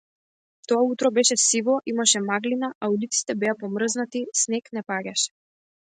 Тоа утро беше сиво, имаше маглина, а улиците беа помрзнати, снег не паѓаше.